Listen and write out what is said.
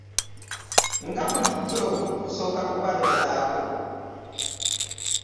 Nga bulijjo tusooka kubalozaako.